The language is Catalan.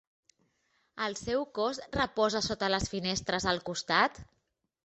El seu cos reposa sota les finestres al costat?